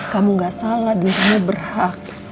kamu nggak salah duit kamu berhak